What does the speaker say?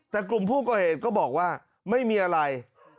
แต่กลุ่มผู้ก่อเหตุก็บอกว่าไม่มีอะไร